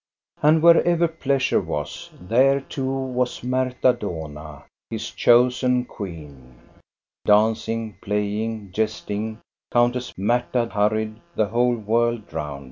And wherever Pleasure was, there too was Marta Dohna, his chosen queen. Dancing, playing, jesting, Countess Marta hurried the whole world round.